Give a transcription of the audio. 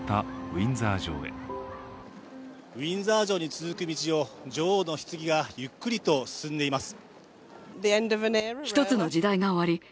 ウィンザー城に続く道を女王のひつぎがゆっくりと進んでいます。